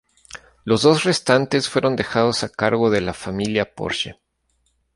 Los dos restantes fueron dejados a cargo de la familia Porsche.